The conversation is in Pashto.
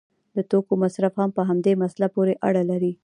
د توکو مصرف هم په همدې مسله پورې اړه لري.